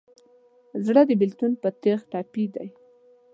زړه د بېلتون په تیغ ټپي دی.